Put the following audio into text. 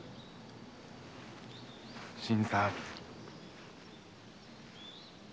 新さん。